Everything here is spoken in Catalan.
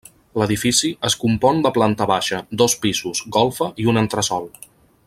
L'edifici es compon de planta baixa, dos pisos, golfa i un entresòl.